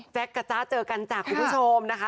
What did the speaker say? แจ๊กกับจ้าเจอกันจ้าคุณผู้ชมนะคะ